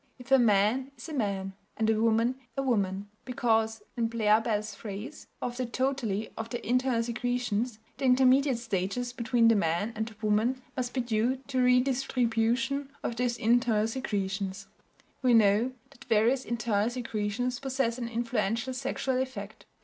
If a man is a man, and a woman a woman, because (in Blair Bell's phrase) of the totality of their internal secretions, the intermediate stages between the man and the woman must be due to redistribution of those internal secretions. We know that various internal secretions possess an influential sexual effect.